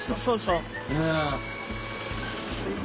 そうそう。